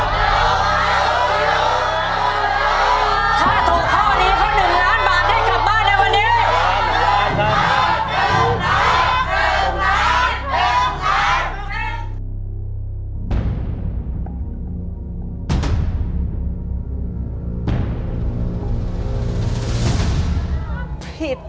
ถ้าถูกข้อนี้เขา๑ล้านบาทได้กลับบ้านในวันนี้